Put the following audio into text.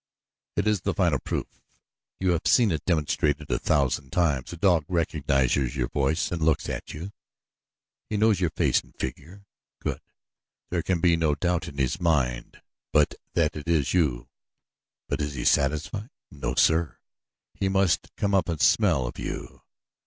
It is the final proof. You have seen it demonstrated a thousand times a dog recognizes your voice and looks at you. He knows your face and figure. Good, there can be no doubt in his mind but that it is you; but is he satisfied? No, sir he must come up and smell of you.